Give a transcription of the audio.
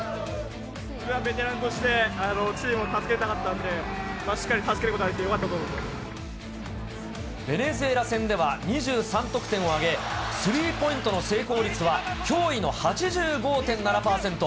ベテランとしてチームを助けたかったんで、しっかり助けることができてよかったと思っていまベネズエラ戦では２３得点を挙げ、スリーポイントの成功率は驚異の８５．７％。